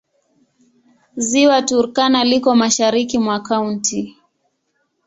Ziwa Turkana liko mashariki mwa kaunti.